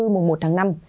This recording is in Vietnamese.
mùa một tháng năm